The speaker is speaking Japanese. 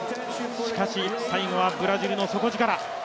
しかし最後はブラジルの底力。